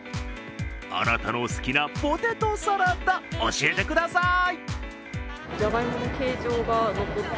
あなたの好きなポテトサラダ教えてください！